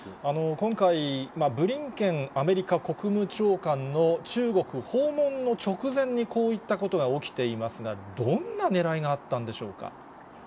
今回、ブリンケンアメリカ国務長官の中国訪問の直前にこういったことが起きていますが、どんなねらいがあったんでしょうか。